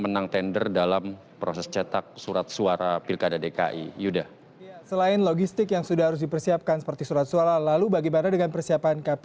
dan proses penggantian tersebut tidak bisa digunakan